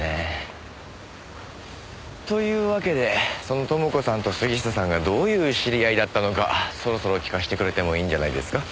というわけでその朋子さんと杉下さんがどういう知り合いだったのかそろそろ聞かせてくれてもいいんじゃないですか？